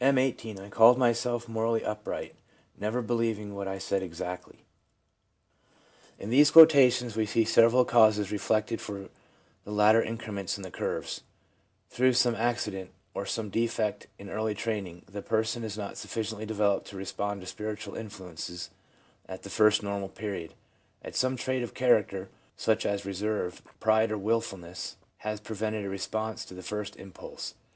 18. ' I called myself morally upright, never be lieving what I said exactly/ 48 THE PSYCHOLOGY OF RELIGION In these quotations we see several causes reflected for the later increments in the curves : through some acci dent, or some defect in early training, the person is not sufficiently developed to respond to spiritual influ ences at the first normal period ; some trait of char acter, such as reserve, pride or wilfulness, has prevented a response to the first impulse.